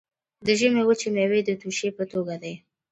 د ژمي وچې میوې د توشې په توګه دي.